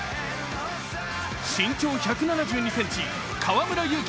身長１７２ｃｍ、河村勇輝